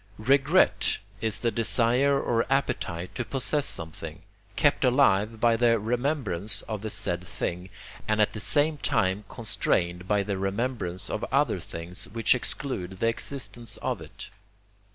Regret is the desire or appetite to possess something, kept alive by the remembrance of the said thing, and at the same time constrained by the remembrance of other things which exclude the existence of it.